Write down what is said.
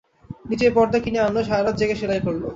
নিজেই পরদা কিনে আনল, সারা রাত জেগে সেলাই করল।